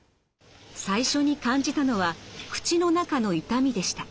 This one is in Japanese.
最初に感じたのは口の中の痛みでした。